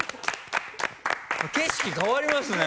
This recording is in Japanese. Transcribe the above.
景色変わりますね！